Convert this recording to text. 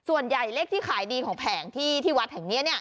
ส่วนใหญ่เลขที่ขายดีของแผงที่ที่วัดแห่งนี้